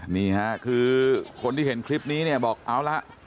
นี่ค่ะคือคนที่เห็นคลิปนี้เนี่ยบอกเอาละ